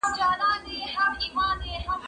زه مخکي ليکلي پاڼي ترتيب کړي وو؟